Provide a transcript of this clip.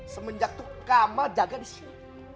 semenjak itu kamal jaga disini